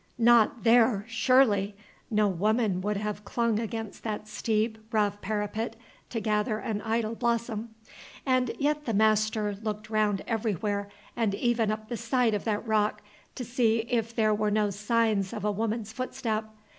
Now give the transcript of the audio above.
Not there, surely! No woman would have clung against that steep, rough parapet to gather an idle blossom. And yet the master looked round everywhere, and even up the side of that rock, to see if there were no signs of a woman's footstep.